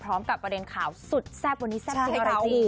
พร้อมกับประเด็นข่าวสุดแทบวันนี้แทบจริงอะไรจิ